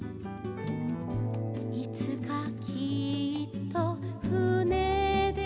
「いつかきっとふねでいこう」